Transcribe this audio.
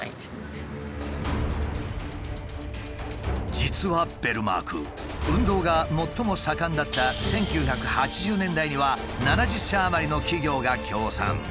実はベルマーク運動が最も盛んだった１９８０年代には７０社余りの企業が協賛。